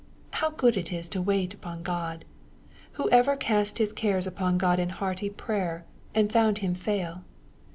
How good it is to wait upon God I Who ever cast his cares upon God in hearty prayer^ and found him fail